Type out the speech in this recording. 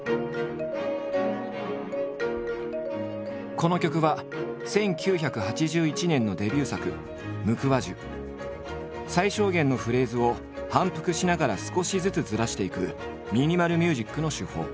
この曲は１９８１年のデビュー作最小限のフレーズを反復しながら少しずつずらしていくミニマル・ミュージックの手法。